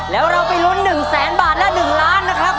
แล้วเราไปลุ้น๑แสนบาทและ๑ล้านนะครับ